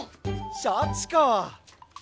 シャチか！